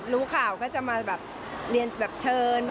รู้ข่าวก็จะมาแบบเรียนแบบเชิญ